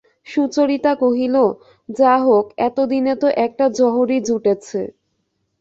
সুচরিতা কহিল, যা হোক, এতদিনে তো একটা জহরি জুটেছে।